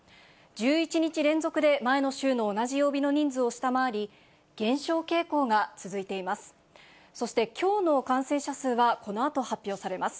１１日連続で前の週の同じ曜日の人数を下回り、減少傾向が続いています。